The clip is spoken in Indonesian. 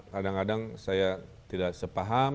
kadang kadang saya tidak sepaham